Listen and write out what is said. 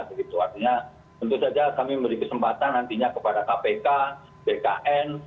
begitu artinya tentu saja kami memberi kesempatan nantinya kepada kpk bkn